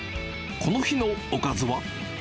この日のおかずは。